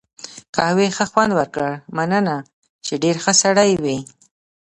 قهوې ښه خوند وکړ، مننه، چې ډېر ښه سړی وې.